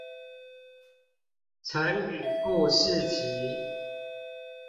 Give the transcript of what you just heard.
成語故事集